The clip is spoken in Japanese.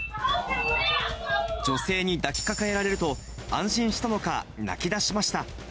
女性に抱きかかえられると、安心したのか、泣き出しました。